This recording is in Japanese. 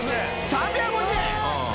３５０円？